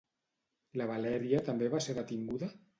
La Valèria també va ser detinguda?